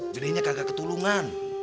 jenihnya kagak ketulungan